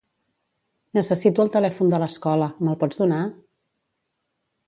Necessito el telèfon de l'escola, me'l pots donar?